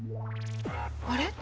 あれ？